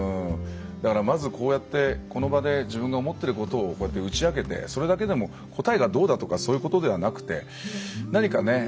だからまずこうやってこの場で自分が思ってることをこうやって打ち明けてそれだけでも答えがどうだとかそういうことではなくて何かね